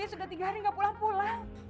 sudah tiga hari gak pulang pulang